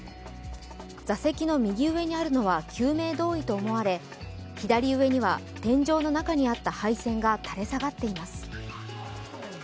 座席の右上にあるのは救命胴衣と思われ、左上には天井の中にあった配線が垂れ下がっています。